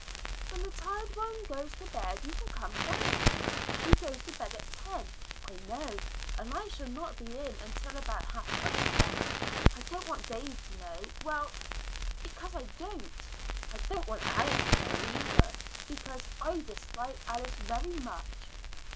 "When the tired one goes to bed, you can come down. She goes to bed at ten, I know, and I shall not be in until about half past ten. I don't want Dave to know well, because I don't. I don't want Alice to know, because I dislike Alice very much."